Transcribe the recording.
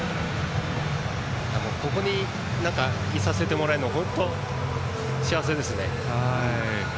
ここにいさせてもらえるのが本当に幸せですね。